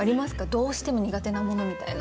どうしても苦手なものみたいな。